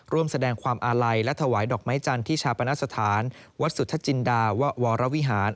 ร่วมแสดงความอาลัยและถวายดอกไม้จันทร์ที่ชาปนสถานวัดสุทธจินดาววรวิหาร